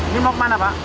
ini mau ke mana pak